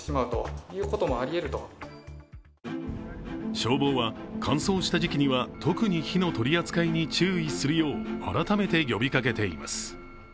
消防は、乾燥した時期には特に火の取り扱いに注意するよう改めて呼びかけています。